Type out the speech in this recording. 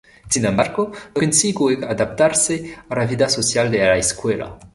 Sin embargo, no consigue adaptarse a la vida social de la escuela.